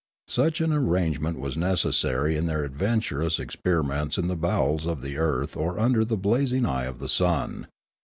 Such an arrangement was necessary in their adventurous experiments in the bowels of the earth or under the blazing eye of the sun.